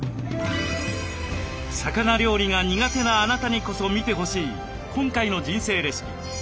魚料理が苦手なあなたにこそ見てほしい今回の「人生レシピ」。